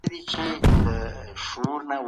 کابینه نړیوال ملاتړ نه هیروي.